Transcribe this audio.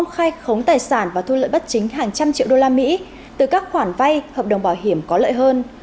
khai khống tài sản và thu lợi bất chính hàng trăm triệu đô la mỹ từ các khoản vay hợp đồng bảo hiểm có lợi hơn